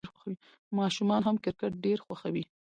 ماشومان هم کرکټ ډېر خوښوي.